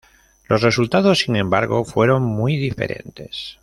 Los resultados sin embargo fueron muy diferentes.